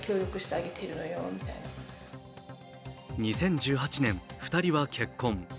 ２０１８年、２人は結婚。